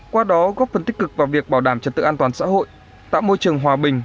qua đó góp phần tích cực vào việc bảo đảm trật tự an toàn xã hội tạo môi trường hòa bình